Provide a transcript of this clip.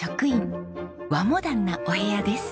和モダンなお部屋です。